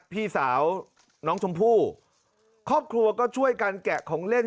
พี่สาวน้องชมพู่ครอบครัวก็ช่วยกันแกะของเล่น